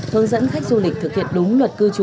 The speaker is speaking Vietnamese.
hướng dẫn khách du lịch thực hiện đúng luật cư trú